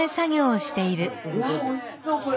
うわっおいしそうこれ。